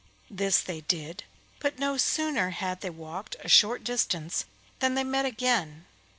This they did, but no sooner had they walked a short distance than they met again.